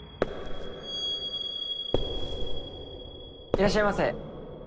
いらっしゃいませ。